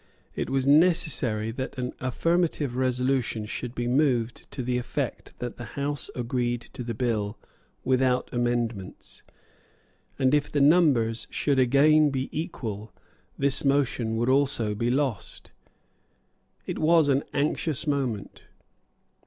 It was necessary that an affirmative resolution should be moved to the effect that the House agreed to the bill without amendments; and, if the numbers should again be equal, this motion would also be lost. It was an anxious moment.